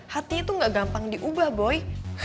hatinya itu gak gampang diubah boy